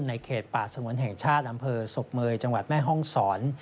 เขตป่าสงวนแห่งชาติอำเภอศพเมยจังหวัดแม่ห้องศร